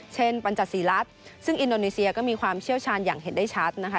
ปัญจศรีรัฐซึ่งอินโดนีเซียก็มีความเชี่ยวชาญอย่างเห็นได้ชัดนะคะ